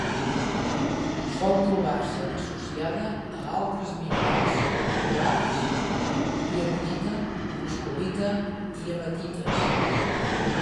Sol trobar-se associada a altres minerals com: quars, piemontita, moscovita i hematites.